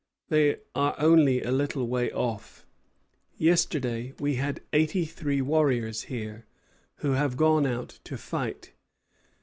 They are only a little way off. Yesterday we had eighty three warriors here, who have gone out to fight.